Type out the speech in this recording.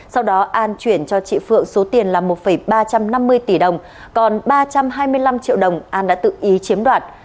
sau đó an chuyển cho chị phượng số tiền là một ba trăm năm mươi tỷ đồng còn ba trăm hai mươi năm triệu đồng an đã tự ý chiếm đoạt